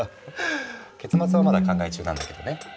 結末はまだ考え中なんだけどね。